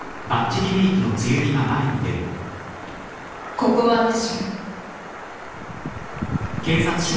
ここは私が。